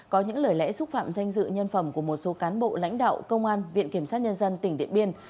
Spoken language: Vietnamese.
có những lời lẽ xúc phạm danh dự nhân phẩm của một số cán bộ lãnh đạo công an viện kiểm sát nhân dân tỉnh điện biên